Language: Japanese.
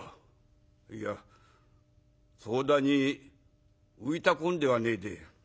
「いやそうだに浮いたこんではねえで。